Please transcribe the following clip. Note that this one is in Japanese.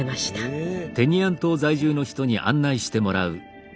へえ！